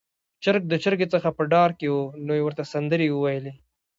چرګ د چرګې څخه په ډار کې و، نو يې ورته سندرې وويلې